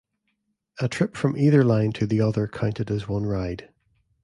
A trip from either line to the other counted as one ride.